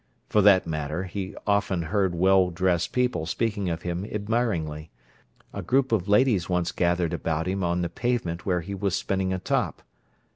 For that matter, he often heard well dressed people speaking of him admiringly: a group of ladies once gathered about him on the pavement where he was spinning a top.